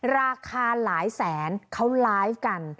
ราคาหลายแสนเขาไลฟ์กัน